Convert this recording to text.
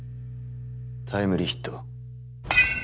タイムリーヒットを。